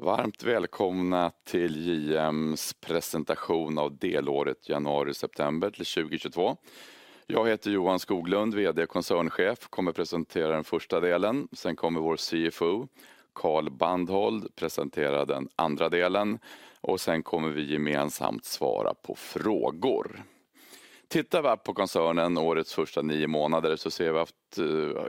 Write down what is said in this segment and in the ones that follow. Varmt välkomna till JM:s presentation av delåret januari-september 2022. Jag heter Johan Skoglund, VD och koncernchef, och kommer att presentera den första delen. Sen kommer vår CFO, Carl Bandhold, presentera den andra delen, och sen kommer vi gemensamt svara på frågor. Tittar vi här på koncernen årets första nio månader så ser vi att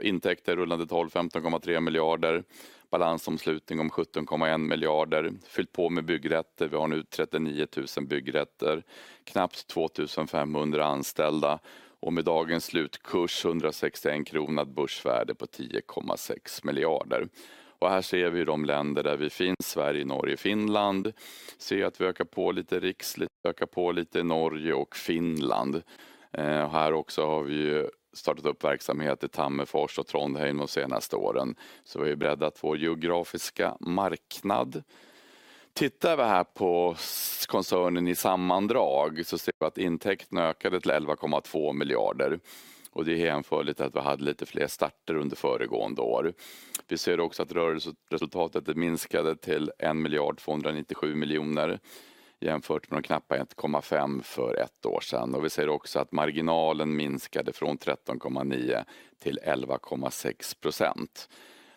intäkter rullande 12 månader 15,3 miljarder kronor, balansomslutning om 17,1 miljarder kronor, fyllt på med byggrätter. Vi har nu 39 000 byggrätter, knappt 2 500 anställda och med dagens slutkurs 161 kronor ett börsvärde på 10,6 miljarder kronor. Här ser vi de länder där vi finns: Sverige, Norge och Finland. Ser att vi ökar på lite i Sverige, ökar på lite i Norge och Finland. Här också har vi startat upp verksamhet i Tammerfors och Trondheim de senaste åren, så vi är redo att växa på den geografiska marknaden. Tittar vi här på koncernen i sammandrag så ser vi att intäkterna ökade till 11,2 miljarder, och det är jämförligt att vi hade lite fler starter under föregående år. Vi ser också att rörelseresultatet minskade till 1 297 miljoner jämfört med de knappa 1,5 för ett år sedan, och vi ser också att marginalen minskade från 13,9% till 11,6%.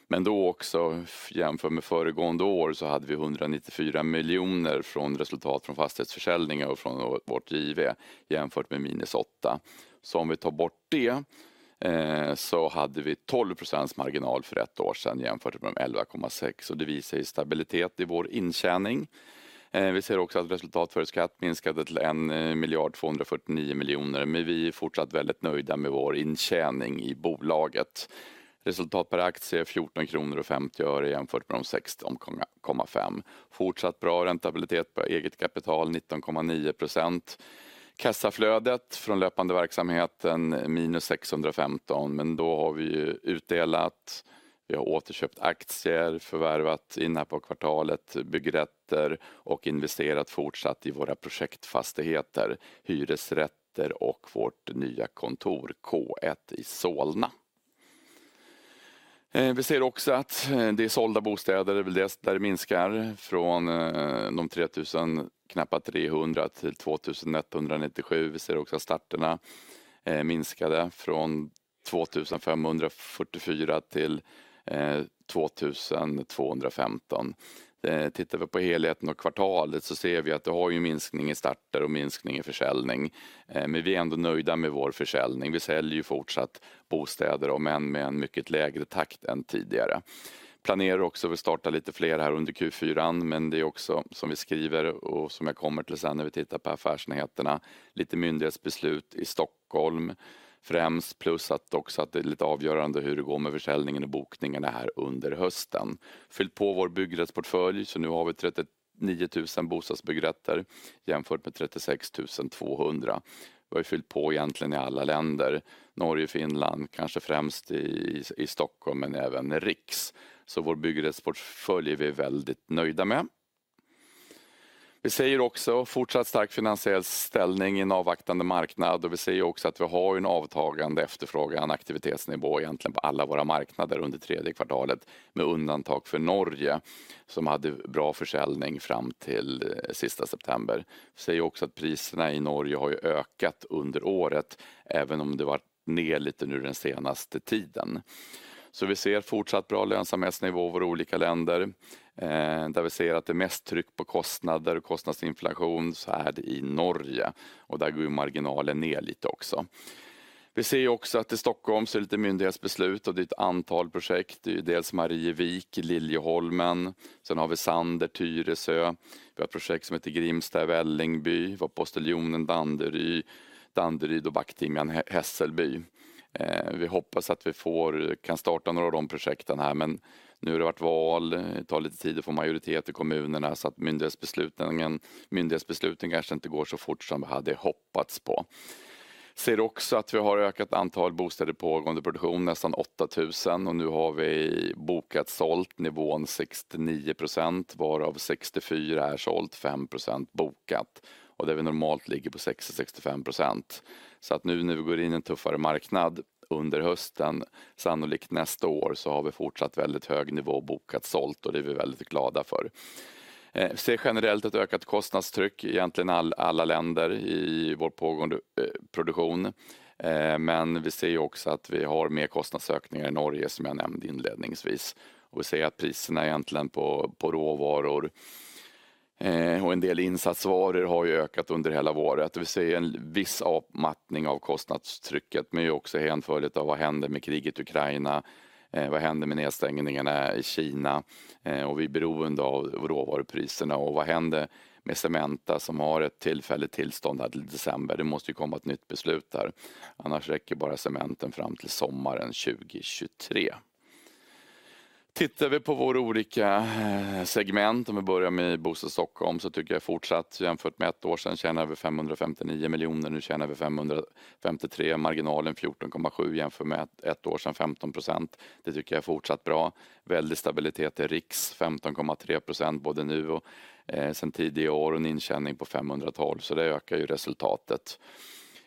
Men då också, jämfört med föregående år, så hade vi 194 miljoner från resultat från fastighetsförsäljningar och från vårt giv, jämfört med minus åtta. Så om vi tar bort det så hade vi 12% marginal för ett år sedan jämfört med de 11,6%, och det visar ju stabilitet i vår intjäning. Vi ser också att resultat för skatt minskade till 1 249 miljoner, men vi är fortsatt väldigt nöjda med vår intjäning i bolaget. Resultat per aktie är 14 kronor och 50 öre jämfört med de 16,5. Fortsatt bra räntabilitet på eget kapital, 19,9%. Kassaflödet från löpande verksamhet är minus 615, men då har vi utdelat. Vi har återköpt aktier, förvärvat byggrätter här på kvartalet och investerat fortsatt i våra projektfastigheter, hyresrätter och vårt nya kontor K1 i Solna. Vi ser också att det är sålda bostäder, det är där det minskar från de knappa 3 000 till 2 197. Vi ser också att starterna minskade från 2 544 till 2 215. Tittar vi på helheten och kvartalet så ser vi att det har en minskning i starter och minskning i försäljning, men vi är ändå nöjda med vår försäljning. Vi säljer fortsatt bostäder men med en mycket lägre takt än tidigare. Planerar också att vi startar lite fler här under Q4, men det är också som vi skriver och som jag kommer till sen när vi tittar på affärsnyheterna, lite myndighetsbeslut i Stockholm främst, plus att också att det är lite avgörande hur det går med försäljningen och bokningarna här under hösten. Fyllt på vår byggrättsportfölj, så nu har vi 39,000 bostadsbyggrätter jämfört med 36,200. Vi har ju fyllt på egentligen i alla länder, Norge, Finland, kanske främst i Stockholm, men även Riks. Så vår byggrättsportfölj är vi väldigt nöjda med. Vi säger också fortsatt stark finansiell ställning i en avvaktande marknad, och vi ser ju också att vi har ju en avtagande efterfrågan, aktivitetsnivå egentligen på alla våra marknader under tredje kvartalet, med undantag för Norge som hade bra försäljning fram till sista september. Vi ser ju också att priserna i Norge har ju ökat under året, även om det varit ner lite nu den senaste tiden. Vi ser fortsatt bra lönsamhetsnivå i våra olika länder, där vi ser att det är mest tryck på kostnader och kostnadsinflation, så är det i Norge, och där går ju marginalen ner lite också. Vi ser ju också att i Stockholm så är det lite myndighetsbeslut och det är ett antal projekt. Det är ju dels Marie Vik, Liljeholmen, sen har vi Sander, Tyresö. Vi har ett projekt som heter Grimstad, Vällingby, vi har Posteljonen, Danderyd och Backtingen, Hässelby. Vi hoppas att vi kan starta några av de projekten här, men nu har det varit val, det tar lite tid att få majoritet i kommunerna, så att myndighetsbesluten kanske inte går så fort som vi hade hoppats på. Ser också att vi har ökat antal bostäder pågående produktion, nästan 8,000, och nu har vi bokat sålt nivån 69%, varav 64% är sålt, 5% bokat, och där vi normalt ligger på 65-66%. Så att nu när vi går in i en tuffare marknad under hösten, sannolikt nästa år, så har vi fortsatt väldigt hög nivå bokat sålt, och det är vi väldigt glada för. Vi ser generellt ett ökat kostnadstryck, egentligen i alla länder i vår pågående produktion, men vi ser också att vi har mer kostnadsökningar i Norge som jag nämnde inledningsvis, och vi ser att priserna egentligen på råvaror och en del insatsvaror har ökat under hela året, och vi ser en viss avmattning av kostnadstrycket, men också jämförligt av vad händer med kriget i Ukraina, vad händer med nedstängningarna i Kina, och vi är beroende av råvarupriserna, och vad händer med Cementa som har ett tillfälligt tillstånd här till december, det måste komma ett nytt beslut här, annars räcker bara cementen fram till sommaren 2023. Tittar vi på våra olika segment, om vi börjar med Bostad Stockholm så tycker jag fortsatt jämfört med ett år sedan tjänar vi 559 miljoner, nu tjänar vi 553, marginalen 14,7% jämfört med ett år sedan, 15%, det tycker jag är fortsatt bra. Mycket stabilitet i Riks, 15,3% både nu och sen tidigare år, och en intjäning på 512, så det ökar ju resultatet.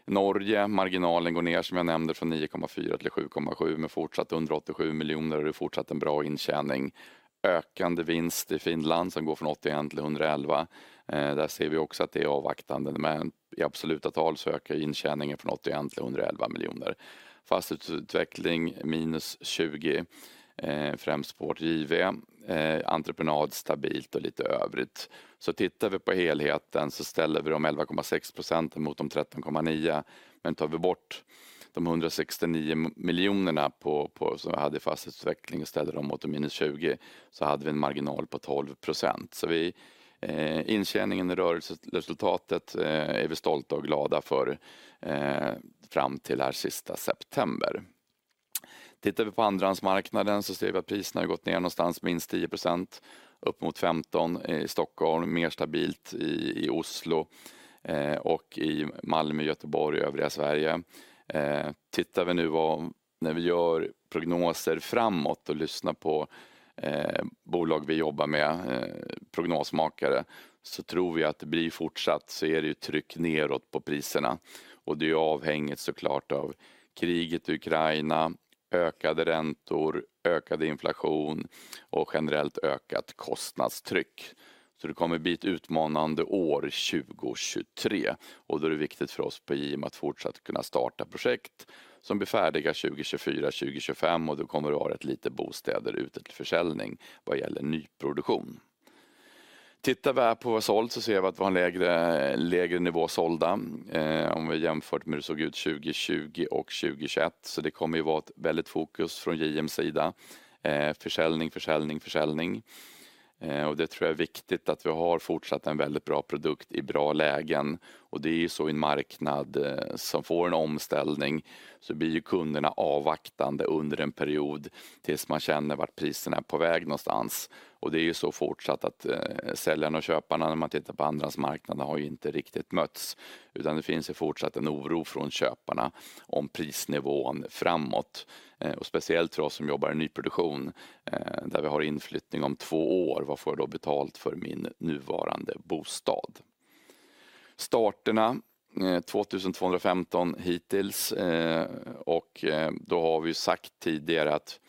Norge, marginalen går ner som jag nämnde från 9,4% till 7,7% med fortsatt 187 miljoner, och det är fortsatt en bra intjäning. Ökande vinst i Finland som går från 81 till 111, där ser vi också att det är avvaktande, men i absoluta tal så ökar ju intjäningen från 81 till 111 miljoner. Fastighetsutveckling minus 20, främst på vårt giv, entreprenad stabilt och lite övrigt. Tittar vi på helheten så ställer vi de 11,6% mot de 13,9%, men tar vi bort de 169 miljonerna som vi hade i fastighetsutveckling och ställer dem mot de minus 20, så hade vi en marginal på 12%. Vi intjäningen i rörelseresultatet är vi stolta och glada för fram till här sista september. Tittar vi på andrahandsmarknaden så ser vi att priserna har gått ner någonstans minst 10%, upp mot 15% i Stockholm, mer stabilt i Oslo, och i Malmö, Göteborg och övriga Sverige. Tittar vi nu när vi gör prognoser framåt och lyssnar på bolag vi jobbar med, prognosmakare, så tror vi att det blir fortsatt tryck neråt på priserna, och det är avhängigt såklart av kriget i Ukraina, ökade räntor, ökad inflation och generellt ökat kostnadstryck. Det kommer att bli ett utmanande år 2023, och då är det viktigt för oss på JM att fortsatt kunna starta projekt som blir färdiga 2024-2025, och då kommer det att vara lite färre bostäder ute till försäljning vad gäller nyproduktion. Tittar vi här på vad sålt så ser vi att vi har en lägre nivå sålda, om vi jämför med hur det såg ut 2020 och 2021, så det kommer ju vara ett väldigt fokus från JMs sida, försäljning, försäljning, försäljning, och det tror jag är viktigt att vi har fortsatt en väldigt bra produkt i bra lägen. Det är ju så i en marknad som får en omställning, så blir ju kunderna avvaktande under en period tills man känner vart priserna är på väg någonstans, och det är ju så fortsatt att säljarna och köparna, när man tittar på andrahandsmarknaden, har ju inte riktigt mötts, utan det finns ju fortsatt en oro från köparna om prisnivån framåt, och speciellt för oss som jobbar i nyproduktion, där vi har inflyttning om två år, vad får jag då betalt för min nuvarande bostad? Starterna, 2 215 hittills, och då har vi ju sagt tidigare att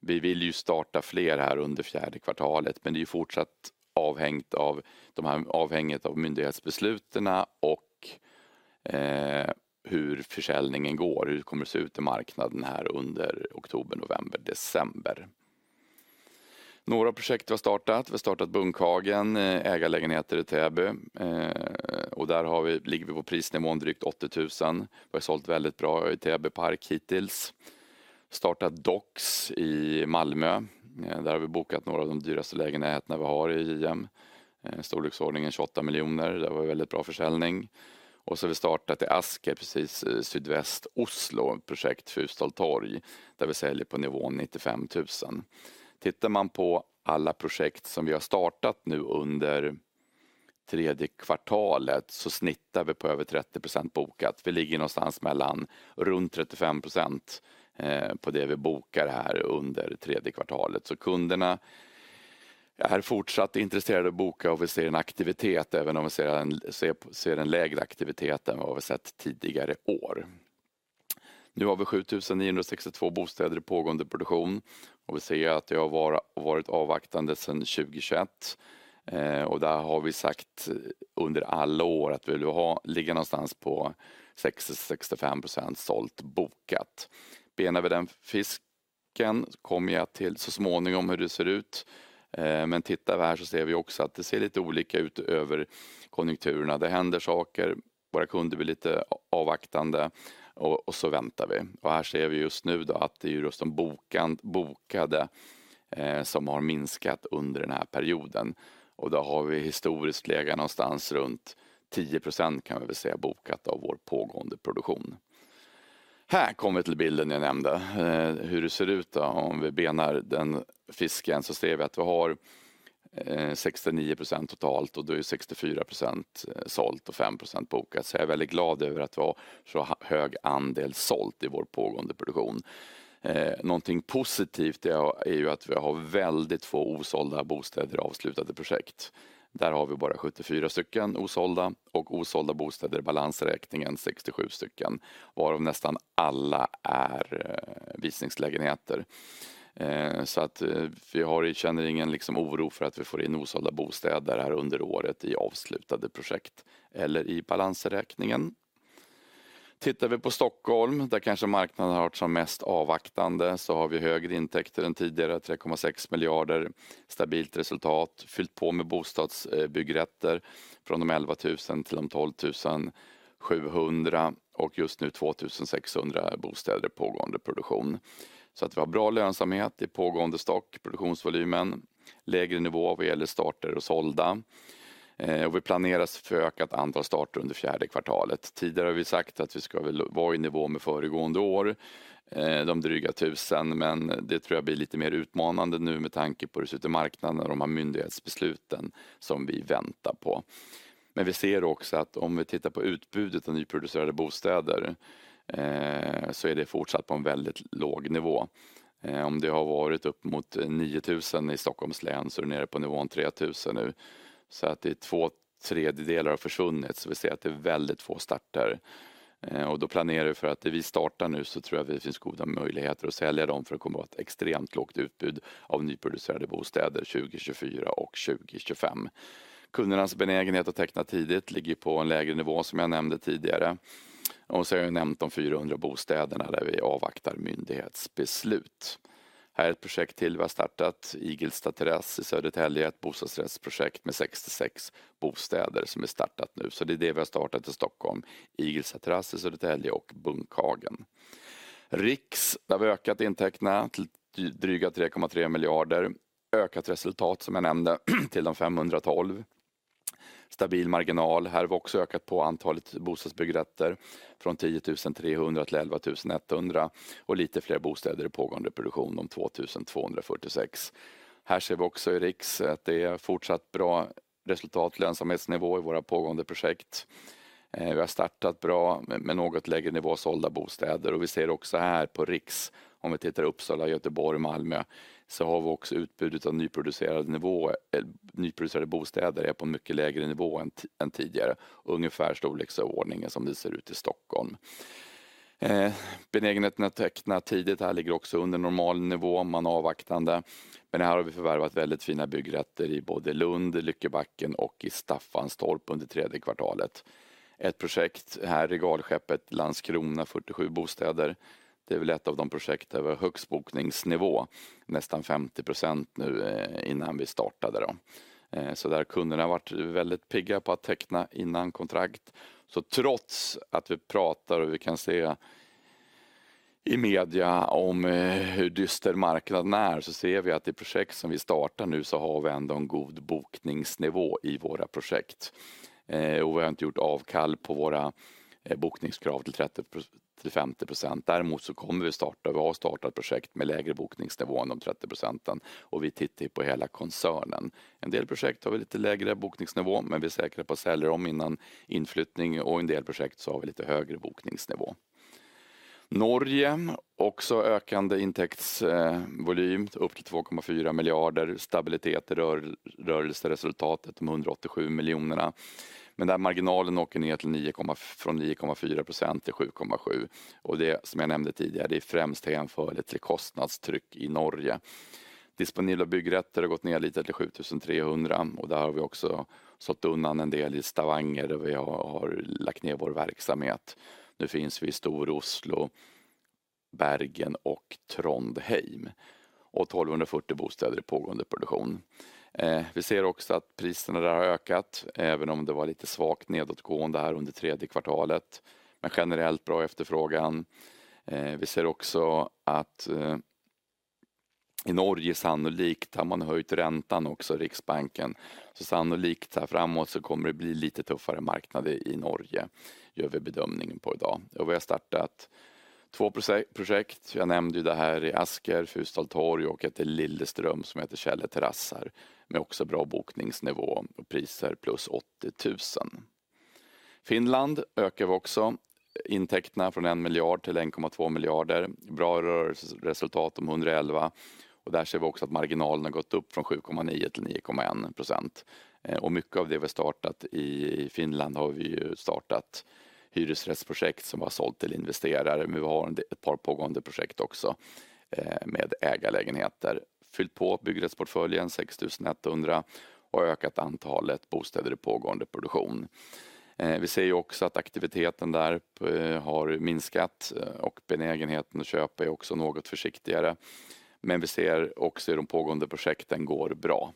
vi vill ju starta fler här under fjärde kvartalet, men det är ju fortsatt avhängigt av myndighetsbesluten och hur försäljningen går, hur det kommer att se ut i marknaden här under oktober, november, december. Några projekt vi har startat, vi har startat Bunkhagen, ägarlägenheter i Täby, och där har vi, ligger vi på prisnivån drygt 80 000 kr, vi har sålt väldigt bra i Täby Park hittills. Startat DOX i Malmö, där har vi bokat några av de dyraste lägenheterna vi har i JM, storleksordningen 28 miljoner kr, där var det väldigt bra försäljning, och så har vi startat i Asker, precis sydväst Oslo, projekt Fustal Torg, där vi säljer på nivån 95 000 kr. Tittar man på alla projekt som vi har startat nu under tredje kvartalet så snittar vi på över 30% bokat, vi ligger någonstans mellan runt 35%, på det vi bokar här under tredje kvartalet, så kunderna är fortsatt intresserade av att boka och vi ser en aktivitet, även om vi ser en lägre aktivitet än vad vi har sett tidigare år. Nu har vi 7 962 bostäder i pågående produktion, och vi ser att vi har varit avvaktande sen 2021, och där har vi sagt under alla år att vi vill ligga någonstans på 60-65% sålt bokat. Benar vi den fisken kommer jag till så småningom hur det ser ut, men tittar vi här så ser vi också att det ser lite olika ut över konjunkturerna. Det händer saker, våra kunder blir lite avvaktande och så väntar vi, och här ser vi just nu då att det är ju just de bokade som har minskat under den här perioden, och då har vi historiskt legat någonstans runt 10% kan vi väl säga bokat av vår pågående produktion. Här kommer vi till bilden jag nämnde, hur det ser ut då. Om vi benar den fisken så ser vi att vi har 69% totalt och då är det 64% sålt och 5% bokat, så jag är väldigt glad över att vi har så hög andel sålt i vår pågående produktion. Någonting positivt är ju att vi har väldigt få osålda bostäder i avslutade projekt, där har vi bara 74 stycken osålda och osålda bostäder i balansräkningen 67 stycken, varav nästan alla är visningslägenheter, så att vi känner ingen oro för att vi får in osålda bostäder här under året i avslutade projekt eller i balansräkningen. Tittar vi på Stockholm, där kanske marknaden har varit som mest avvaktande, så har vi högre intäkter än tidigare, 3,6 miljarder, stabilt resultat, fyllt på med bostadsbyggrätter från de 11 000 till de 12 700 och just nu 2 600 bostäder i pågående produktion, så att vi har bra lönsamhet i pågående produktionsvolymen, lägre nivå vad gäller starter och sålda, och vi planerar för ökat antal starter under fjärde kvartalet. Tidigare har vi sagt att vi ska vara i nivå med föregående år, de dryga tusen, men det tror jag blir lite mer utmanande nu med tanke på dessutom marknaden och de här myndighetsbesluten som vi väntar på. Men vi ser också att om vi tittar på utbudet av nyproducerade bostäder, så är det fortsatt på en väldigt låg nivå. Om det har varit upp mot 9,000 i Stockholms län så är det nere på nivån 3,000 nu, så att det är två tredjedelar har försvunnit. Vi ser att det är väldigt få starter, och då planerar vi för att det vi startar nu så tror jag att det finns goda möjligheter att sälja dem för att komma åt extremt lågt utbud av nyproducerade bostäder 2024 och 2025. Kundernas benägenhet att teckna tidigt ligger på en lägre nivå som jag nämnde tidigare, och så har jag ju nämnt de 400 bostäderna där vi avvaktar myndighetsbeslut. Här är ett projekt till vi har startat, Igelstad Terrass i Södertälje, ett bostadsrättsprojekt med 66 bostäder som är startat nu, så det är det vi har startat i Stockholm, Igelstad Terrass i Södertälje och Bunkhagen. Riks, där har vi ökat intäkterna till dryga 3,3 miljarder, ökat resultat som jag nämnde till de 512, stabil marginal. Här har vi också ökat på antalet bostadsbyggrätter från 10 300 till 11 100 och lite fler bostäder i pågående produktion de 2 246. Här ser vi också i Riks att det är fortsatt bra resultat, lönsamhetsnivå i våra pågående projekt. Vi har startat bra med något lägre nivå sålda bostäder och vi ser också här på Riks, om vi tittar i Uppsala, Göteborg, Malmö, så har vi också utbudet av nyproducerade bostäder är på en mycket lägre nivå än tidigare, ungefär storleksordningen som det ser ut i Stockholm. Benägenheten att teckna tidigt här ligger också under normal nivå, man avvaktande, men här har vi förvärvat väldigt fina byggrätter i både Lund, Lyckebacken och i Staffanstorp under tredje kvartalet. Ett projekt här, Regalskeppet, Landskrona, 47 bostäder, det är väl ett av de projekt där vi har högst bokningsnivå, nästan 50% nu innan vi startade då, så där kunderna har varit väldigt pigga på att teckna innan kontrakt. Trots att vi pratar och vi kan se i media om hur dyster marknaden är, så ser vi att i projekt som vi startar nu så har vi ändå en god bokningsnivå i våra projekt, och vi har inte gjort avkall på våra bokningskrav till 30 till 50%. Däremot så kommer vi att starta, vi har startat projekt med lägre bokningsnivå än de 30% och vi tittar ju på hela koncernen. En del projekt har vi lite lägre bokningsnivå, men vi är säkra på att sälja dem innan inflyttning och en del projekt så har vi lite högre bokningsnivå. Norge, också ökande intäktsvolym, upp till 2,4 miljarder, stabilitet i rörelseresultatet de 187 miljonerna, men där marginalen åker ner till från 9,4% till 7,7%, och det som jag nämnde tidigare, det är främst jämförligt till kostnadstryck i Norge. Disponibla byggrätter har gått ner lite till 7 300, och där har vi också sått undan en del i Stavanger, där vi har lagt ner vår verksamhet, nu finns vi i Stor-Oslo, Bergen och Trondheim, och 1 240 bostäder i pågående produktion. Vi ser också att priserna där har ökat, även om det var lite svagt nedåtgående här under tredje kvartalet, men generellt bra efterfrågan. Vi ser också att i Norge sannolikt, där man har höjt räntan också i Riksbanken, så sannolikt här framåt så kommer det bli lite tuffare marknad i Norge, gör vi bedömningen på idag. Vi har startat två projekt, jag nämnde ju det här i Asker, Fustal Torg och ett i Lilleström som heter Källe Terrassar, med också bra bokningsnivå och priser plus 80 000 kr. Finland ökar vi också intäkterna från 1 miljard till 1,2 miljarder, bra rörelseresultat om 111, och där ser vi också att marginalen har gått upp från 7,9% till 9,1%, och mycket av det vi har startat i Finland har vi ju startat hyresrättsprojekt som har sålt till investerare, men vi har ett par pågående projekt också med ägarlägenheter, fyllt på byggrättsportföljen 6 100 och ökat antalet bostäder i pågående produktion. Vi ser ju också att aktiviteten där har minskat, och benägenheten att köpa är också något försiktigare, men vi ser också hur de pågående projekten går bra.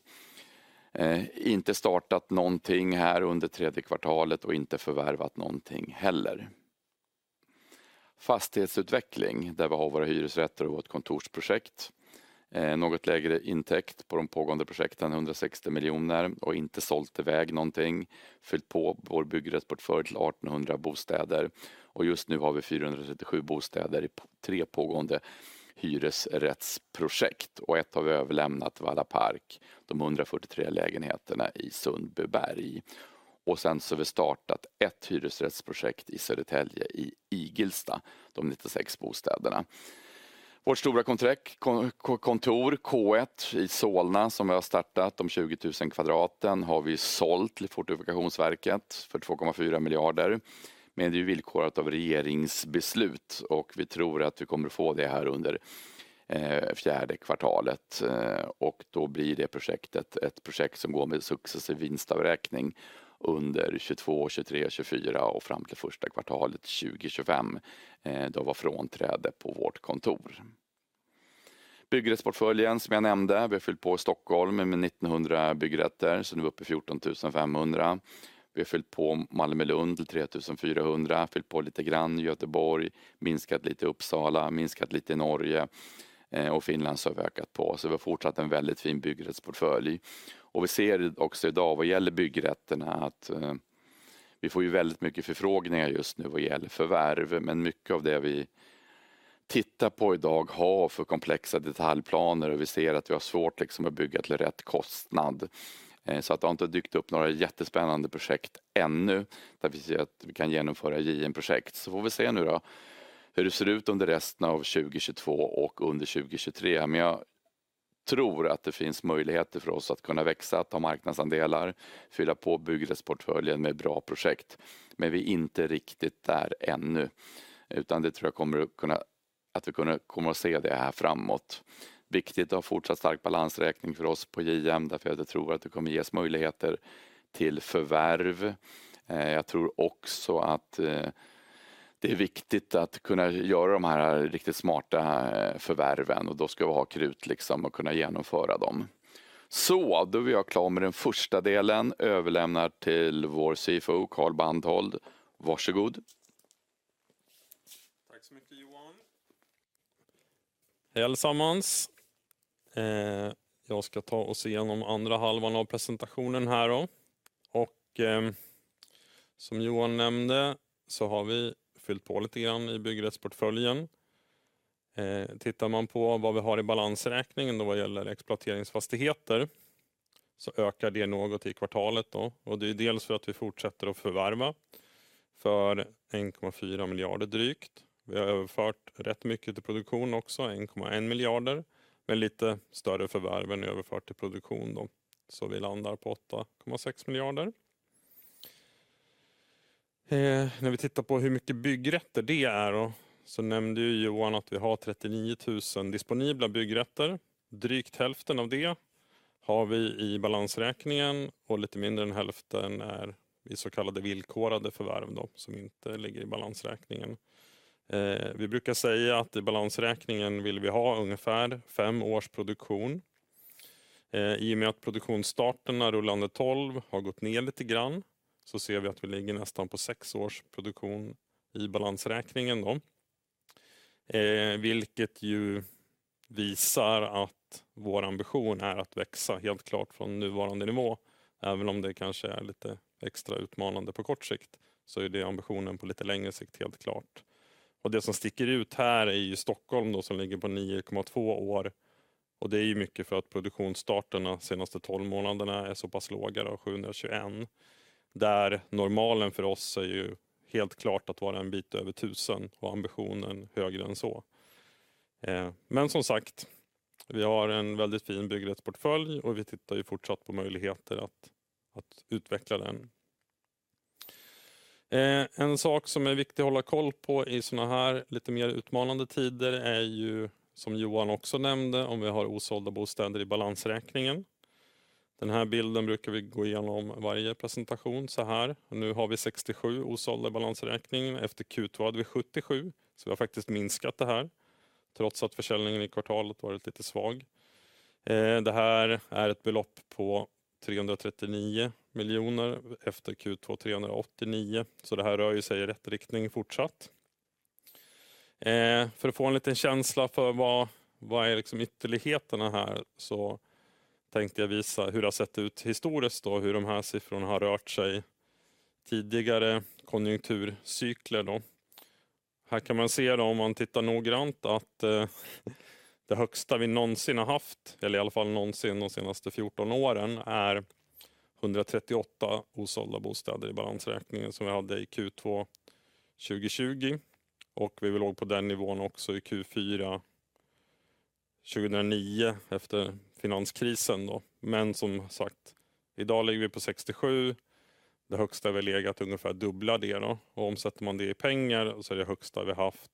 Inte startat någonting här under tredje kvartalet och inte förvärvat någonting heller. Fastighetsutveckling, där vi har våra hyresrätter och vårt kontorsprojekt, något lägre intäkt på de pågående projekten, 160 miljoner kronor, och inte sålt iväg någonting, fyllt på vår byggrättsportfölj till 1 800 bostäder, och just nu har vi 437 bostäder i tre pågående hyresrättsprojekt, och ett har vi överlämnat Valla Park, de 143 lägenheterna i Sundbyberg, och sen så har vi startat ett hyresrättsprojekt i Södertälje i Igelstad, de 96 bostäderna. Vårt stora kontor, K1 i Solna, som vi har startat, de 20 000 kvadratmeterna, har vi ju sålt till Fortifikationsverket för 2,4 miljarder kronor, men det är ju villkorat av regeringsbeslut, och vi tror att vi kommer att få det här under fjärde kvartalet, och då blir det projektet ett projekt som går med successiv vinstavräkning under 2022, 2023, 2024 och fram till första kvartalet 2025, då vi har frånträde på vårt kontor. Byggrättsportföljen, som jag nämnde, vi har fyllt på Stockholm med 1,900 byggrätter, så nu är vi uppe i 14,500, vi har fyllt på Malmö Lund till 3,400, fyllt på lite grann i Göteborg, minskat lite i Uppsala, minskat lite i Norge, och Finland så har vi ökat på, så vi har fortsatt en väldigt fin byggrättsportfölj, och vi ser också idag vad gäller byggrätterna att vi får väldigt mycket förfrågningar just nu vad gäller förvärv, men mycket av det vi tittar på idag har för komplexa detaljplaner, och vi ser att vi har svårt att bygga till rätt kostnad, så att det har inte dykt upp några jättespännande projekt ännu, där vi ser att vi kan genomföra JM projekt, så får vi se nu då hur det ser ut under resten av 2022 och under 2023, men jag tror att det finns möjligheter för oss att kunna växa, ta marknadsandelar, fylla på byggrättsportföljen med bra projekt, men vi är inte riktigt där ännu, utan det tror jag kommer att kunna, att vi kommer att komma att se det här framåt, viktigt att ha fortsatt stark balansräkning för oss på JM, därför att jag tror att det kommer att ges möjligheter till förvärv, jag tror också att det är viktigt att kunna göra de här riktigt smarta förvärven, och då ska vi ha krut att kunna genomföra dem, så då är vi klara med den första delen, överlämnar till vår CFO, Carl Bantholm, varsågod. Tack så mycket, Johan. Hej allesammans, jag ska ta och se genom andra halvan av presentationen här då, och som Johan nämnde så har vi fyllt på lite grann i byggrättsportföljen. Tittar man på vad vi har i balansräkningen då vad gäller exploateringsfastigheter, så ökar det något i kvartalet då, och det är ju dels för att vi fortsätter att förvärva för 1,4 miljarder drygt. Vi har överfört rätt mycket till produktion också, 1,1 miljarder, men lite större förvärv än överfört till produktion då, så vi landar på 8,6 miljarder. När vi tittar på hur mycket byggrätter det är då, så nämnde ju Johan att vi har 39,000 disponibla byggrätter. Drygt hälften av det har vi i balansräkningen, och lite mindre än hälften är i så kallade villkorade förvärv då, som inte ligger i balansräkningen. Vi brukar säga att i balansräkningen vill vi ha ungefär fem års produktion. I och med att produktionsstarten när rullande 12 har gått ner lite grann, så ser vi att vi ligger nästan på sex års produktion i balansräkningen då, vilket ju visar att vår ambition är att växa helt klart från nuvarande nivå. Även om det kanske är lite extra utmanande på kort sikt, så är det ambitionen på lite längre sikt helt klart. Det som sticker ut här är ju Stockholm då som ligger på 9,2 år, och det är ju mycket för att produktionsstarten de senaste tolv månaderna är så pass låga, då 721, där normalen för oss är ju helt klart att vara en bit över 1,000, och ambitionen högre än så. Men som sagt, vi har en väldigt fin byggrättsportfölj, och vi tittar ju fortsatt på möjligheter att utveckla den. En sak som är viktigt att hålla koll på i sådana här lite mer utmanande tider är, som Johan också nämnde, om vi har osålda bostäder i balansräkningen. Den här bilden brukar vi gå igenom varje presentation så här. Nu har vi 67 osålda i balansräkningen. Efter Q2 hade vi 77, så vi har faktiskt minskat det här, trots att försäljningen i kvartalet varit lite svag. Det här är ett belopp på 339 miljoner. Efter Q2 389, så det här rör sig i rätt riktning fortsatt. För att få en liten känsla för vad som är ytterligheterna här, så tänkte jag visa hur det har sett ut historiskt då, hur de här siffrorna har rört sig tidigare konjunkturcykler då. Här kan man se då, om man tittar noggrant, att det högsta vi någonsin har haft, eller i alla fall någonsin de senaste 14 åren, är 138 osålda bostäder i balansräkningen som vi hade i Q2 2020, och vi låg på den nivån också i Q4 2009 efter finanskrisen då. Men som sagt, idag ligger vi på 67. Det högsta vi har legat är ungefär dubbla det då. Omsätter man det i pengar så är det högsta vi har haft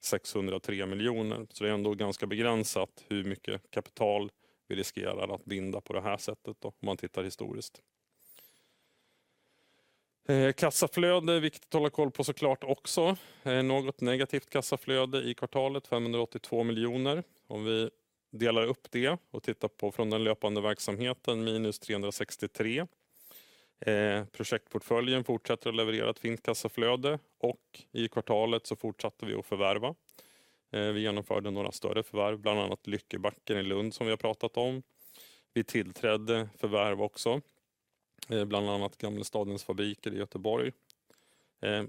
603 miljoner, så det är ändå ganska begränsat hur mycket kapital vi riskerar att binda på det här sättet då, om man tittar historiskt. Kassaflöde är viktigt att hålla koll på såklart också, något negativt kassaflöde i kvartalet 582 miljoner. Om vi delar upp det och tittar på från den löpande verksamheten minus 363, projektportföljen fortsätter att leverera ett fint kassaflöde, och i kvartalet så fortsatte vi att förvärva. Vi genomförde några större förvärv bland annat Lyckebacken i Lund som vi har pratat om, vi tillträdde förvärv också, bland annat Gamla Stadens Fabriker i Göteborg,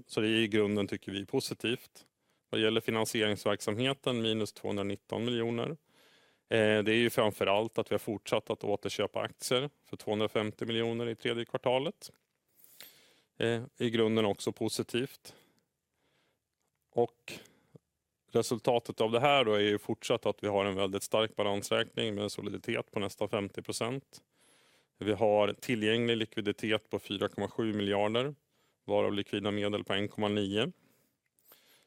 så det är i grunden tycker vi är positivt. Vad gäller finansieringsverksamheten minus 219 miljoner, det är ju framförallt att vi har fortsatt att återköpa aktier för 250 miljoner i tredje kvartalet, i grunden också positivt. Resultatet av det här då är ju fortsatt att vi har en väldigt stark balansräkning med en soliditet på nästan 50%, vi har tillgänglig likviditet på 4,7 miljarder, varav likvida medel på 1,9,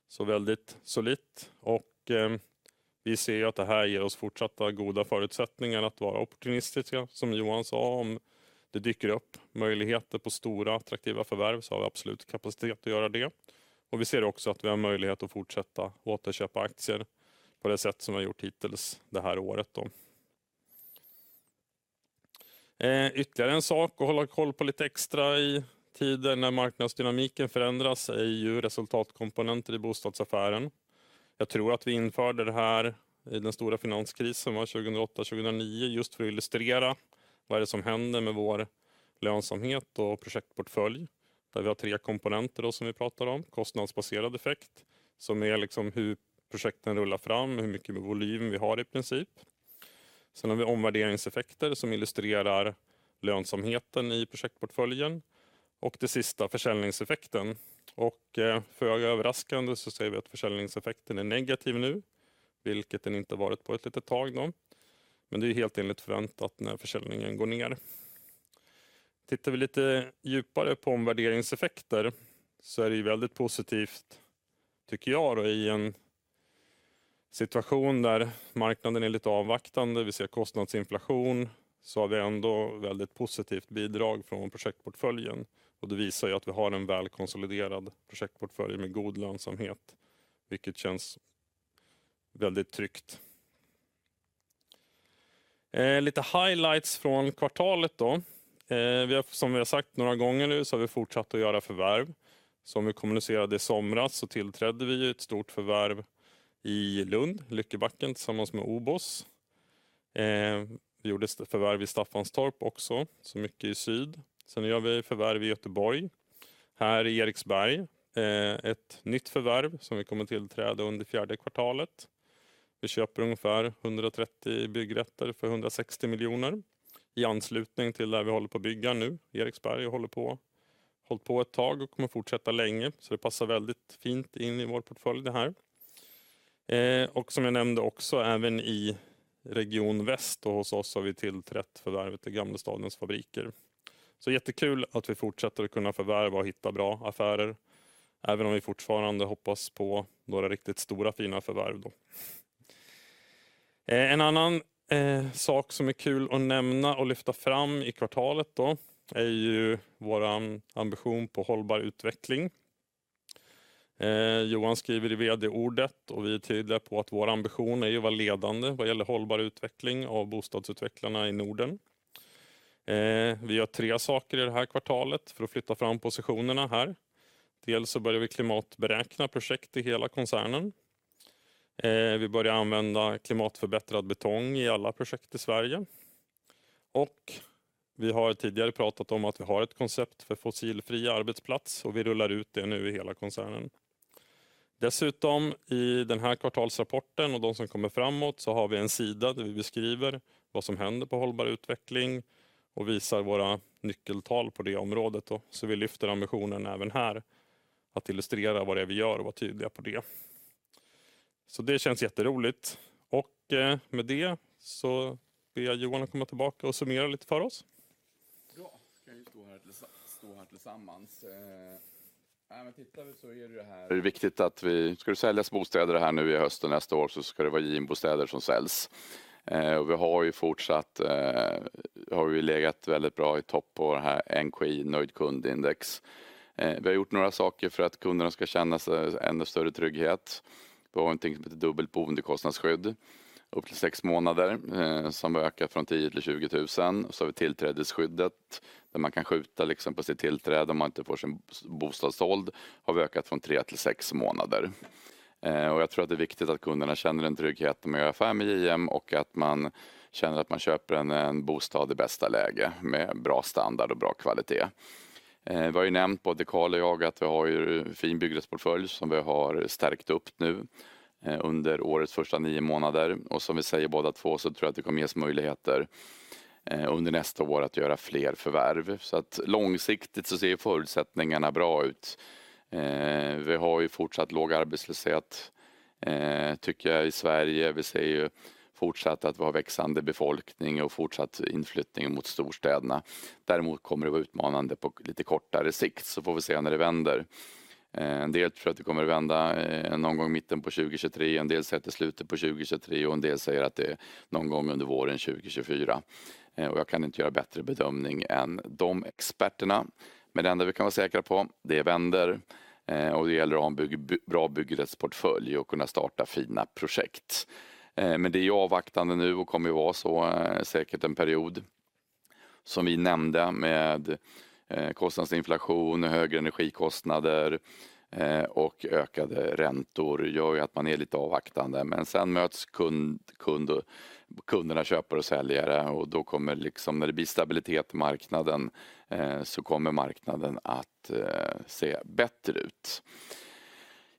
så väldigt solidt. Vi ser ju att det här ger oss fortsatta goda förutsättningar att vara optimistiska, som Johan sa om det dyker upp möjligheter på stora attraktiva förvärv så har vi absolut kapacitet att göra det, och vi ser också att vi har möjlighet att fortsätta återköpa aktier på det sätt som vi har gjort hittills det här året då. Ytterligare en sak att hålla koll på lite extra i tider när marknadsdynamiken förändras är ju resultatkomponenter i bostadsaffären. Jag tror att vi införde det här i den stora finanskrisen 2008-2009 just för att illustrera vad är det som händer med vår lönsamhet och projektportfölj, där vi har tre komponenter då som vi pratar om: kostnadsbaserad effekt som är liksom hur projekten rullar fram, hur mycket volym vi har i princip, sen har vi omvärderingseffekter som illustrerar lönsamheten i projektportföljen, och det sista försäljningseffekten. För överraskande så ser vi att försäljningseffekten är negativ nu, vilket den inte har varit på ett litet tag då, men det är ju helt enligt förväntat när försäljningen går ner. Tittar vi lite djupare på omvärderingseffekter så är det ju väldigt positivt tycker jag då i en situation där marknaden är lite avvaktande, vi ser kostnadsinflation, så har vi ändå väldigt positivt bidrag från projektportföljen, och det visar ju att vi har en väl konsoliderad projektportfölj med god lönsamhet, vilket känns väldigt tryggt. Lite highlights från kvartalet då. Vi har som vi har sagt några gånger nu så har vi fortsatt att göra förvärv. Som vi kommunicerade i somras så tillträdde vi ju ett stort förvärv i Lund, Lyckebacken tillsammans med OBOS. Vi gjorde ett förvärv i Staffanstorp också, så mycket i syd. Sen gör vi förvärv i Göteborg, här i Eriksberg, ett nytt förvärv som vi kommer tillträda under fjärde kvartalet. Vi köper ungefär 130 byggrätter för 160 miljoner, i anslutning till det vi håller på att bygga nu. Eriksberg har hållit på ett tag och kommer fortsätta länge, så det passar väldigt fint in i vår portfölj det här. Som jag nämnde också även i Region Väst och hos oss har vi tillträtt förvärvet till Gamla Stadens Fabriker, så jättekul att vi fortsätter att kunna förvärva och hitta bra affärer, även om vi fortfarande hoppas på några riktigt stora fina förvärv då. En annan sak som är kul att nämna och lyfta fram i kvartalet då är ju vår ambition på hållbar utveckling. Johan skriver i VD-ordet och vi är tydliga på att vår ambition är ju att vara ledande vad gäller hållbar utveckling av bostadsutvecklarna i Norden. Vi gör tre saker i det här kvartalet för att flytta fram positionerna här, dels så börjar vi klimatberäkna projekt i hela koncernen, vi börjar använda klimatförbättrad betong i alla projekt i Sverige, och vi har tidigare pratat om att vi har ett koncept för fossilfri arbetsplats och vi rullar ut det nu i hela koncernen. Dessutom i den här kvartalsrapporten och de som kommer framåt så har vi en sida där vi beskriver vad som händer på hållbar utveckling och visar våra nyckeltal på det området då, så vi lyfter ambitionen även här att illustrera vad det är vi gör och vara tydliga på det, så det känns jätteroligt. Med det så ber jag Johan att komma tillbaka och summera lite för oss. Ja, kan ju stå här tillsammans, nej men tittar vi så är det ju det här, det är viktigt att vi, ska du sälja bostäder här nu i hösten nästa år så ska det vara JM-bostäder som säljs, och vi har ju fortsatt, har vi ju legat väldigt bra i topp på det här NKI nöjd kundindex. Vi har gjort några saker för att kunderna ska känna sig ännu större trygghet, vi har en ting som heter dubbelt boendekostnadsskydd upp till sex månader, som har ökat från 10 till 20 000, och så har vi tillträdesskyddet där man kan skjuta liksom på sitt tillträde om man inte får sin bostad såld, har vi ökat från tre till sex månader. Jag tror att det är viktigt att kunderna känner en trygghet med att göra affär med JM och att man känner att man köper en bostad i bästa läge med bra standard och bra kvalitet. Vi har ju nämnt både Carl och jag att vi har ju en fin byggrättsportfölj som vi har stärkt upp nu, under årets första nio månader, och som vi säger båda två så tror jag att det kommer ge oss möjligheter, under nästa år att göra fler förvärv, så att långsiktigt så ser ju förutsättningarna bra ut. Vi har ju fortsatt låg arbetslöshet, tycker jag i Sverige, vi ser ju fortsatt att vi har växande befolkning och fortsatt inflyttning mot storstäderna, däremot kommer det vara utmanande på lite kortare sikt, så får vi se när det vänder. En del tror jag att det kommer att vända någon gång i mitten på 2023, en del säger att det är slutet på 2023 och en del säger att det är någon gång under våren 2024, och jag kan inte göra bättre bedömning än de experterna, men det enda vi kan vara säkra på det är vänder, och det gäller att ha en bra byggrättsportfölj och kunna starta fina projekt. Men det är ju avvaktande nu och kommer ju vara så säkert en period, som vi nämnde med kostnadsinflation, högre energikostnader, och ökade räntor gör ju att man är lite avvaktande, men sen möts kund och köpare och säljare och då kommer liksom när det blir stabilitet i marknaden, så kommer marknaden att se bättre ut.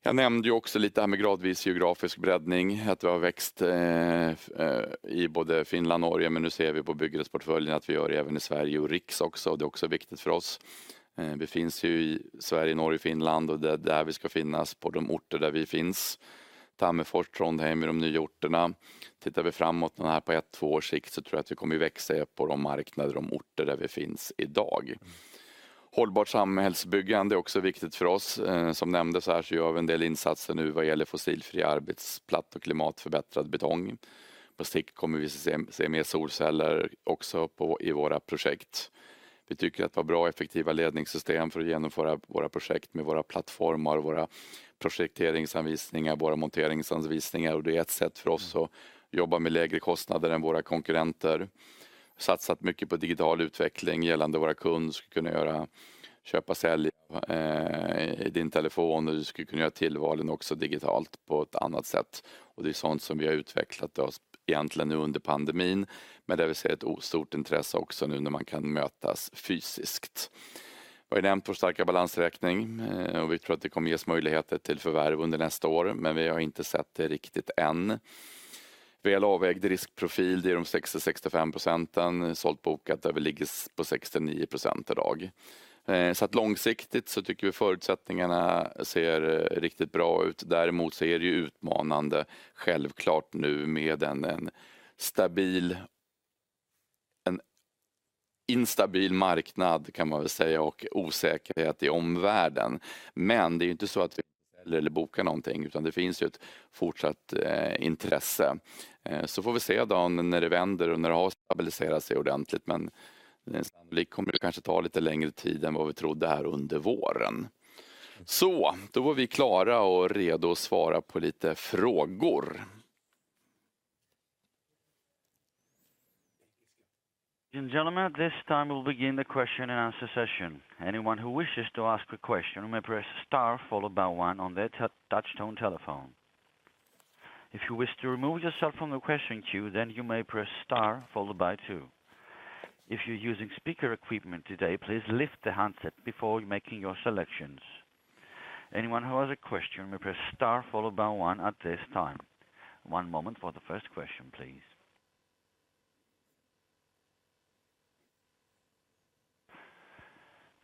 Jag nämnde ju också lite här med gradvis geografisk breddning att vi har växt i både Finland och Norge, men nu ser vi på byggrättsportföljen att vi gör även i Sverige och Riks också, och det är också viktigt för oss. Vi finns ju i Sverige, Norge och Finland och det är där vi ska finnas på de orter där vi finns, Tammerfors, Trondheim och de nya orterna, tittar vi framåt den här på ett två års sikt så tror jag att vi kommer ju växa på de marknader och de orter där vi finns idag. Hållbart samhällsbyggande är också viktigt för oss, som nämndes här så gör vi en del insatser nu vad gäller fossilfri arbetsplats och klimatförbättrad betong, på sikt kommer vi se mer solceller också på i våra projekt. Vi tycker att det var bra effektiva ledningssystem för att genomföra våra projekt med våra plattformar och våra projekteringsanvisningar, våra monteringsanvisningar och det är ett sätt för oss att jobba med lägre kostnader än våra konkurrenter. Satsat mycket på digital utveckling gällande våra kunder, ska kunna göra köpa och sälja i din telefon och du ska kunna göra tillvalen också digitalt på ett annat sätt, och det är sånt som vi har utvecklat oss egentligen nu under pandemin, men där vi ser ett stort intresse också nu när man kan mötas fysiskt. Vi har ju nämnt vår starka balansräkning och vi tror att det kommer ge oss möjligheter till förvärv under nästa år, men vi har inte sett det riktigt än. Väl avvägd riskprofil, det är de 66-65%, sålt bokat överliggas på 69% idag, så att långsiktigt så tycker vi förutsättningarna ser riktigt bra ut, däremot så är det ju utmanande självklart nu med en stabil, en instabil marknad kan man väl säga och osäkerhet i omvärlden. Men det är ju inte så att vi inte säljer eller bokar någonting utan det finns ju ett fortsatt intresse, så får vi se då när det vänder och när det har stabiliserat sig ordentligt, men det är sannolikt kommer det kanske ta lite längre tid än vad vi trodde här under våren, så då var vi klara och redo att svara på lite frågor. Gentlemen, at this time we'll begin the question and answer session. Anyone who wishes to ask a question may press star followed by one on their touch-tone telephone. If you wish to remove yourself from the question queue, then you may press star followed by two. If you're using speaker equipment today, please lift the handset before making your selections. Anyone who has a question may press star followed by one at this time. One moment for the first question, please.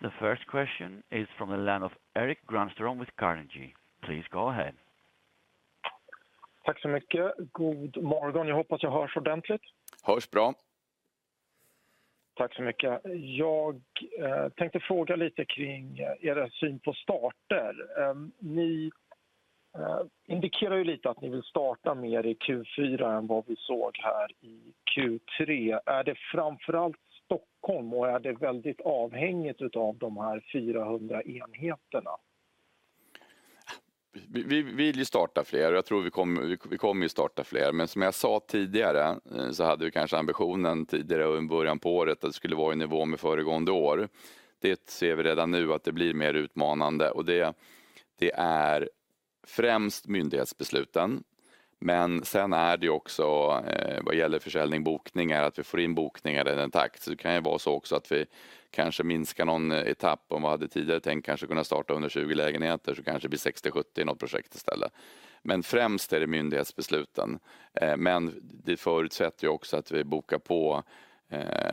The first question is from Eric Granstrom with Carnegie. Please go ahead. Tack så mycket, god morgon. Jag hoppas jag hörs ordentligt. Hörs bra. Tack så mycket. Jag tänkte fråga lite kring syn på starter. Ni indikerar ju lite att ni vill starta mer i Q4 än vad vi såg här i Q3. Är det framförallt Stockholm och är det väldigt beroende av de här 400 enheterna? Vi vill ju starta fler och jag tror vi kommer ju starta fler, men som jag sa tidigare så hade vi kanske ambitionen tidigare och i början på året att det skulle vara i nivå med föregående år. Det ser vi redan nu att det blir mer utmanande och det är främst myndighetsbesluten, men sen är det ju också vad gäller försäljning och bokningar att vi får in bokningar i den takten. Det kan ju vara så också att vi kanske minskar någon etapp om vi hade tidigare tänkt kanske kunna starta under 20 lägenheter så kanske det blir 60-70 i något projekt istället, men främst är det myndighetsbesluten, men det förutsätter ju också att vi bokar på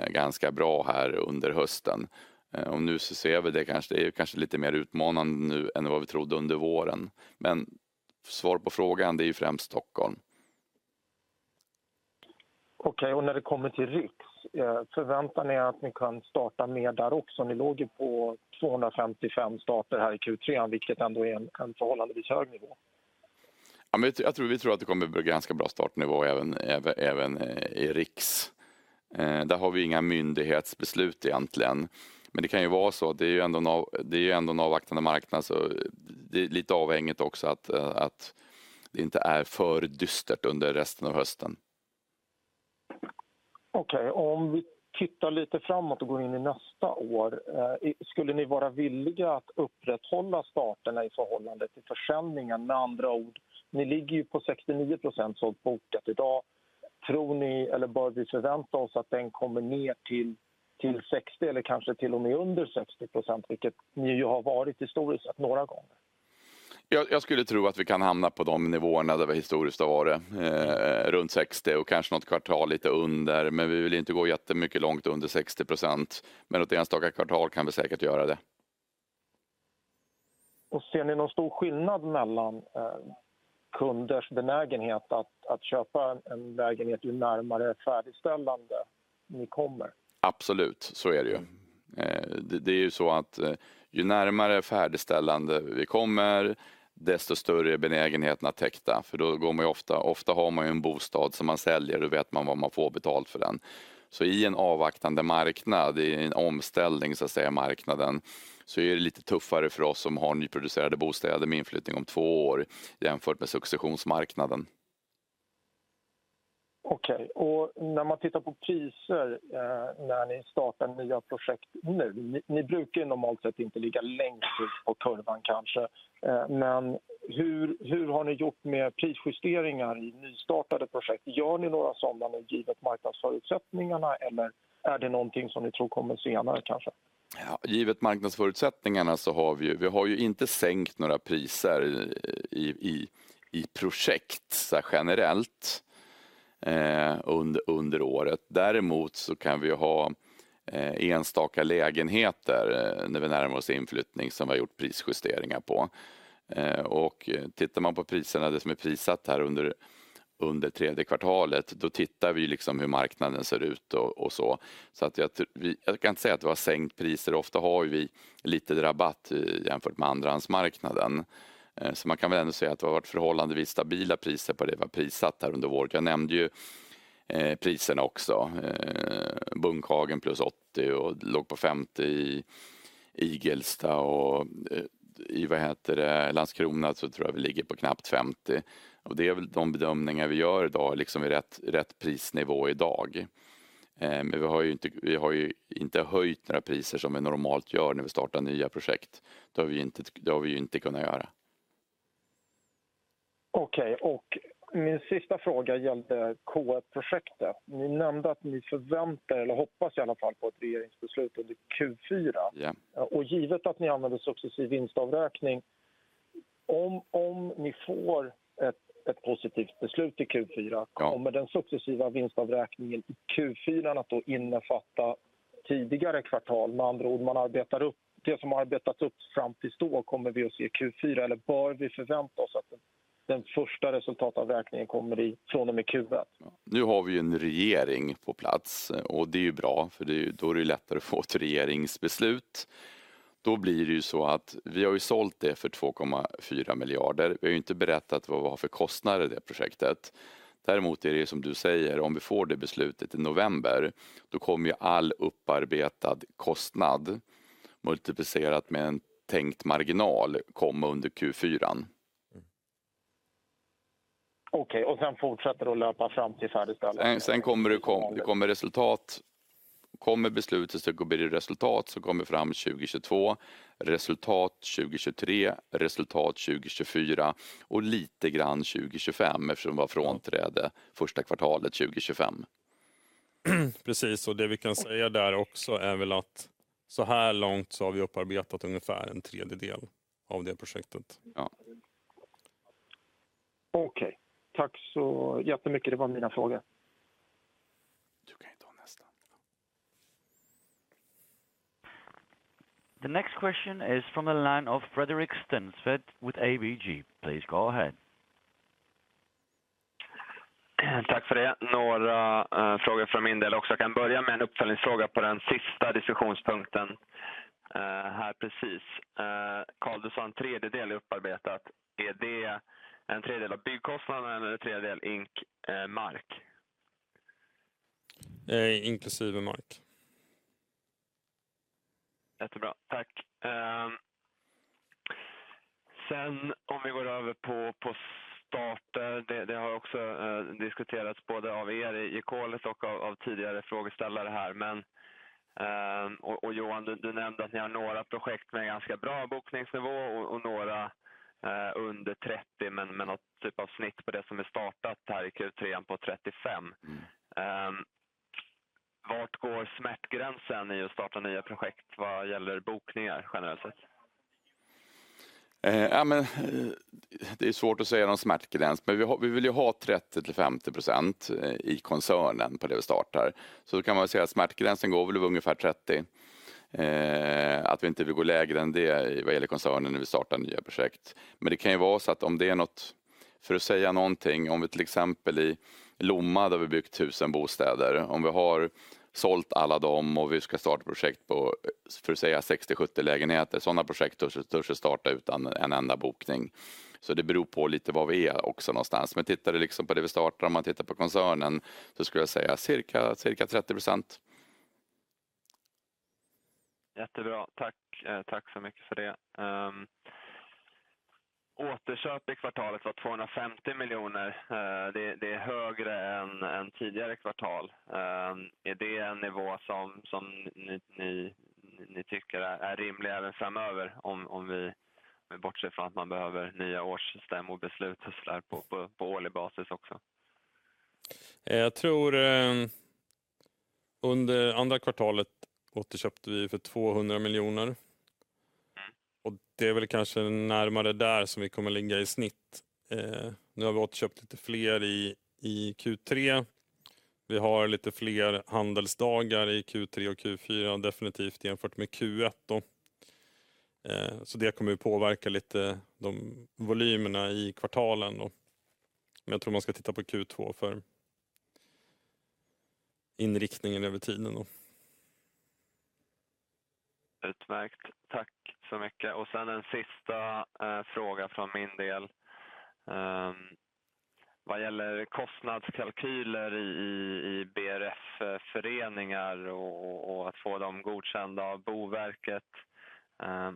ganska bra här under hösten. Och nu så ser vi det kanske, det är ju kanske lite mer utmanande nu än vad vi trodde under våren, men svar på frågan, det är ju främst Stockholm. Okej, och när det kommer till Riks, förväntar ni att ni kan starta mer där också? Ni låg ju på 255 starter här i Q3, vilket ändå är en förhållandevis hög nivå. Ja, men jag tror vi tror att det kommer att bli ganska bra startnivå även i Riks. Där har vi ju inga myndighetsbeslut egentligen, men det kan ju vara så, det är ju ändå en avvaktande marknad så det är lite avhängigt också att det inte är för dystert under resten av hösten. Okej, om vi tittar lite framåt och går in i nästa år, skulle ni vara villiga att upprätthålla starterna i förhållande till försäljningen? Med andra ord, ni ligger ju på 69% sålt bokat idag. Tror ni eller bör vi förvänta oss att den kommer ner till 60% eller kanske till och med under 60%, vilket ni ju har varit historiskt sett några gånger? Jag skulle tro att vi kan hamna på de nivåerna där vi historiskt har varit, runt 60% och kanske något kvartal lite under, men vi vill ju inte gå jättemycket långt under 60%, men enstaka kvartal kan vi säkert göra det. Ser ni någon stor skillnad mellan kunders benägenhet att köpa en lägenhet ju närmare färdigställande ni kommer? Absolut, så är det ju. Det är ju så att ju närmare färdigställande vi kommer, desto större är benägenheten att täcka, för då går man ju ofta, ofta har man ju en bostad som man säljer och då vet man vad man får betalt för den. Så i en avvaktande marknad, i en omställning så att säga i marknaden, så är det lite tuffare för oss som har nyproducerade bostäder med inflyttning om två år jämfört med successionsmarknaden. Okej, och när man tittar på priser när ni startar nya projekt nu, ni brukar ju normalt sett inte ligga längst ut på kurvan kanske, men hur har ni gjort med prisjusteringar i nystartade projekt? Gör ni några sådana nu givet marknadsförutsättningarna eller är det någonting som ni tror kommer senare kanske? Ja, givet marknadsförutsättningarna så har vi inte sänkt några priser i projekt generellt under året. Däremot så kan vi ha enstaka lägenheter när vi närmar oss inflyttning som vi har gjort prisjusteringar på. Tittar man på priserna, det som är prissatt här under tredje kvartalet, då tittar vi hur marknaden ser ut och så, så att jag tror vi, jag kan inte säga att vi har sänkt priser. Ofta har vi lite rabatt jämfört med andrahandsmarknaden, så man kan ändå säga att vi har varit förhållandevis stabila priser på det vi har prissatt här under året. Jag nämnde priserna också, Bunkhagen plus 80 och låg på 50 i Igelstad och i Landskrona så tror jag vi ligger på knappt 50, och det är de bedömningar vi gör idag. Vi är rätt prisnivå idag, men vi har inte höjt några priser som vi normalt gör när vi startar nya projekt, det har vi inte kunnat göra. Okej, och min sista fråga gällde KF-projektet. Ni nämnde att ni förväntar eller hoppas i alla fall på ett regeringsbeslut under Q4, och givet att ni använder successiv vinstavräkning, om ni får ett positivt beslut i Q4, kommer den successiva vinstavräkningen i Q4 att då innefatta tidigare kvartal? Med andra ord, man arbetar upp det som har arbetats upp fram tills då. Kommer vi att se Q4 eller bör vi förvänta oss att den första resultatavräkningen kommer från och med Q1? Nu har vi ju en regering på plats och det är ju bra, för då är det ju lättare att få ett regeringsbeslut. Då blir det ju så att vi har ju sålt det för 2,4 miljarder. Vi har ju inte berättat vad vi har för kostnader i det projektet, däremot är det ju som du säger, om vi får det beslutet i november, då kommer ju all upparbetad kostnad multiplicerat med en tänkt marginal komma under Q4. Okej, och sen fortsätter det att löpa fram till färdigställande? Sen kommer det, det kommer resultat, kommer beslutet så blir det resultat, så kommer vi fram 2022, resultat 2023, resultat 2024 och lite grann 2025, eftersom det var frånträde första kvartalet 2025. Precis, och det vi kan säga där också är väl att så här långt så har vi upparbetat ungefär en tredjedel av det projektet. Ja. Okej, tack så jättemycket, det var mina frågor. Du kan ju ta nästa. The next question is from the land of Frederick Stensved with ABG, please go ahead. Tack för det, några frågor från min del också, jag kan börja med en uppföljningsfråga på den sista diskussionspunkten här precis. Carl, du sa en tredjedel är upparbetat, är det en tredjedel av byggkostnader eller en tredjedel inklusive mark? Inklusive mark. Jättebra, tack. Sen om vi går över på starter, det har också diskuterats både av Coles och av tidigare frågeställare här, men Johan, du nämnde att ni har några projekt med ganska bra bokningsnivå och några under 30%, men något typ av snitt på det som är startat här i Q3 på 35%. Var går smärtgränsen i att starta nya projekt vad gäller bokningar generellt sett? Ja, men det är svårt att säga någon smärtgräns, men vi vill ju ha 30-50% i koncernen på det vi startar, så då kan man väl säga att smärtgränsen går väl ungefär 30%, att vi inte vill gå lägre än det vad gäller koncernen när vi startar nya projekt. Men det kan ju vara så att om det är något, för att säga någonting, om vi till exempel i Lomma där vi har byggt tusen bostäder, om vi har sålt alla dem och vi ska starta projekt på, för att säga, 60-70 lägenheter, sådana projekt då så startar vi utan en enda bokning, så det beror på lite var vi är också någonstans. Men tittar vi på det vi startar, om man tittar på koncernen, så skulle jag säga cirka 30%. Jättebra, tack, tack så mycket för det. Återköp i kvartalet var 250 miljoner. Det är högre än tidigare kvartal. Är det en nivå som ni tycker är rimlig även framöver, om vi, med bortsett från att man behöver nya årsstämmobeslut och sådär på årlig basis också? Jag tror under andra kvartalet återköpte vi för 200 miljoner, och det är närmare där som vi kommer ligga i snitt. Nu har vi återköpt lite fler i Q3. Vi har lite fler handelsdagar i Q3 och Q4, definitivt jämfört med Q1, så det kommer påverka lite de volymerna i kvartalen, men jag tror man ska titta på Q2 för inriktningen över tiden. Utmärkt, tack så mycket, och sen en sista fråga från min del, vad gäller kostnadskalkyler i BRF-föreningar och att få dem godkända av Boverket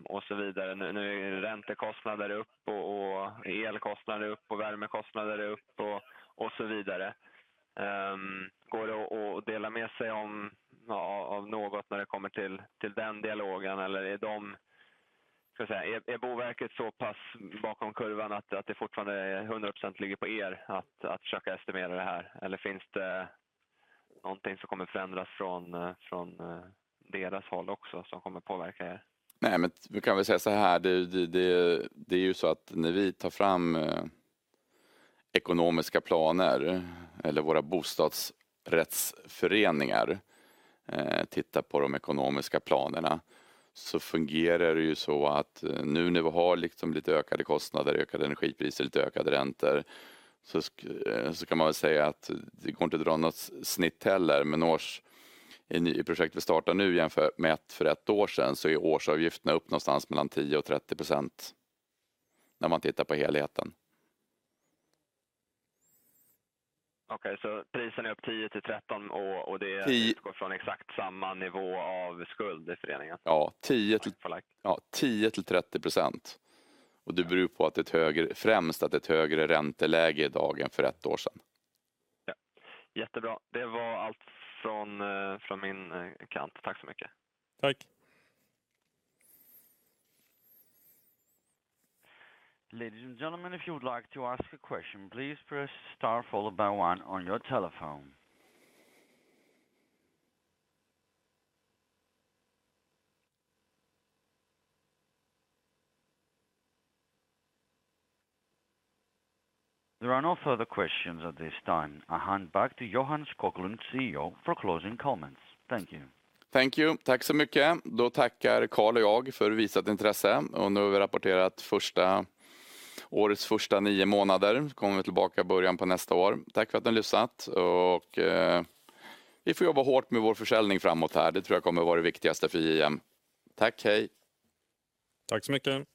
och så vidare. Nu är räntekostnader upp och elkostnader upp och värmekostnader upp och så vidare, går det att dela med sig av något när det kommer till den dialogen, eller är de, ska vi säga, är Boverket så pass bakom kurvan att det fortfarande är 100% ligger på att försöka estimera det här, eller finns det någonting som kommer förändras från deras håll också som kommer påverka? Nej, men vi kan väl säga så här, det är ju så att när vi tar fram ekonomiska planer eller våra bostadsrättsföreningar tittar på de ekonomiska planerna så fungerar det ju så att nu när vi har lite ökade kostnader, ökade energipriser, lite ökade räntor, så kan man väl säga att det går inte att dra något snitt heller, men i projekt vi startar nu jämfört med ett för ett år sedan så är årsavgifterna upp någonstans mellan 10 och 30% när man tittar på helheten. Okej, så priserna är upp 10% till 13% och det går från exakt samma nivå av skuld i föreningen? Ja, 10% till 30%, och det beror på att det är ett högre, främst att det är ett högre ränteläge idag än för ett år sedan. Ja, jättebra, det var allt från min kant, tack så mycket. Tack. Ladies and gentlemen, if you would like to ask a question, please press star followed by one on your telephone. There are no further questions at this time. I hand back to Johannes Kocklund, CEO, for closing comments. Thank you. Thank you, tack så mycket. Då tackar Carl och jag för visat intresse, och nu har vi rapporterat första årets första nio månader, så kommer vi tillbaka i början på nästa år. Tack för att ni har lyssnat, och vi får jobba hårt med vår försäljning framåt här. Det tror jag kommer att vara det viktigaste för JM. Tack, hej. Tack så mycket.